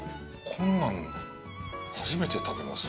こんなん、初めて食べます。